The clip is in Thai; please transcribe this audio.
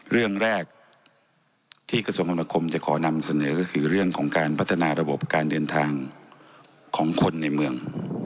เรื่องแรกที่กระทรวงคมนาคมจะขอนำเสนอก็คือเรื่องของการพัฒนาระบบการเดินทางของคนในเมือง